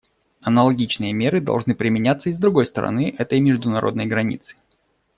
Аналогичные меры должны применяться и с другой стороны этой международной границы.